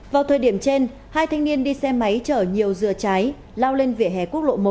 vào thời điểm trên hai thanh niên đi xe máy chở nhiều dừa trái lao lên vỉa hè quốc lộ một